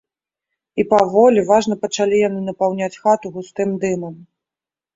І паволі, важна пачалі яны напаўняць хату густым дымам.